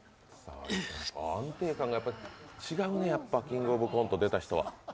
安定感が違うね、やっぱ「キングオブコント」出た人は。